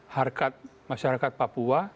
harkat masyarakat papua